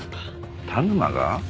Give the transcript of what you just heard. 田沼が？